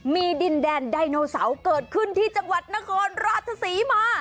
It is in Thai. มีดินแดนไดโนเสาร์เกิดขึ้นที่จังหวัดนครราชศรีมา